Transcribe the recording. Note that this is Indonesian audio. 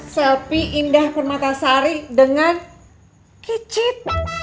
sepi indah permata sari dengan kicit